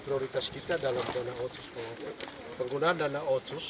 prioritas kita dalam penggunaan dana otsus